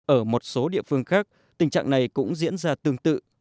ở một số địa phương khác tình trạng này cũng diễn ra tương tự